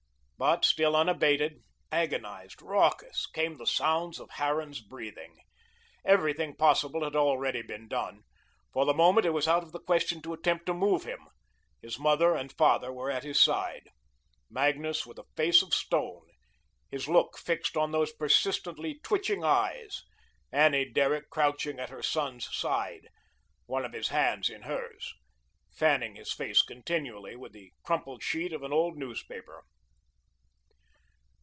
But still unabated, agonised, raucous, came the sounds of Harran's breathing. Everything possible had already been done. For the moment it was out of the question to attempt to move him. His mother and father were at his side, Magnus, with a face of stone, his look fixed on those persistently twitching eyes, Annie Derrick crouching at her son's side, one of his hands in hers, fanning his face continually with the crumpled sheet of an old newspaper.